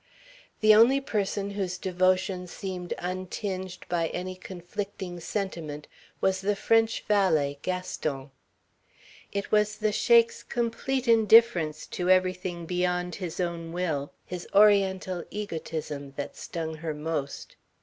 The only person whose devotion seemed untinged by any conflicting sentiment was the French valet, Gaston. It was the Sheik's complete indifference to everything beyond his own will, his Oriental egoism, that stung her most.